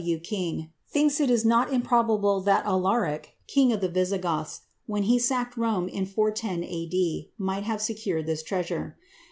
W. King thinks it is not improbable that Alaric, king of the Visigoths, when he sacked Rome in 410 A.D., might have secured this treasure.